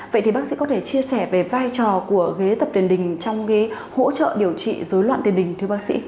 vậy thì bác sĩ có thể chia sẻ về vai trò của ghế tập tiền đình trong ghế hỗ trợ điều trị dối loạn tiền đình thưa bác sĩ